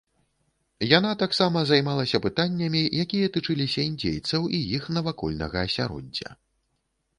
Яна таксама займалася пытаннямі якія тычыліся індзейцаў і іх навакольнага асяроддзя.